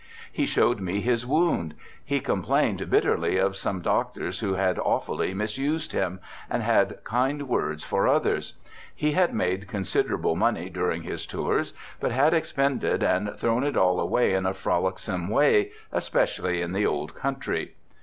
He showed me his wound. He complained A BACKWOOD PHYSIOLOGIST 169 bitterly of some doctors who had awfully misused him, and had kind words for others. He had made con siderable money during his tours, but had expended and thrown it all away in a frolicsome way, especially in the old country.